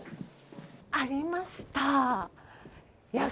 ありましたね。